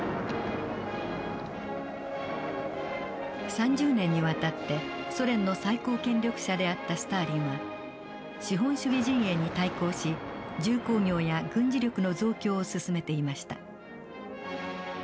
３０年にわたってソ連の最高権力者であったスターリンは資本主義陣営に対抗し重工業や軍事力の増強を進めていました。